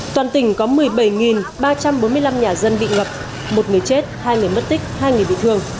toàn tỉnh có một mươi bảy ba trăm bốn mươi năm nhà dân bị ngập một người chết hai người mất tích hai người bị thương